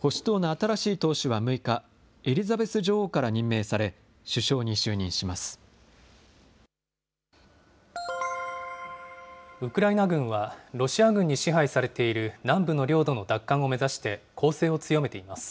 保守党の新しい党首は６日、エリザベス女王から任命され、首相にウクライナ軍は、ロシア軍に支配されている南部の領土の奪還を目指して攻勢を強めています。